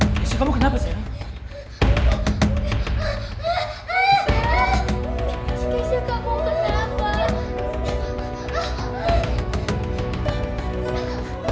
mulai sekarang kamu tinggal di sini sama papa ya